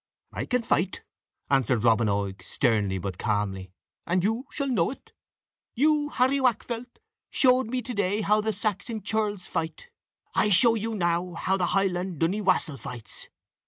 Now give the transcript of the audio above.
"I can fight," answered Robin Oig, sternly but calmly, "and you shall know it. You, Harry Waakfelt, showed me to day how the Saxon churls fight; I show you now how the Highland duiniè wassel fights."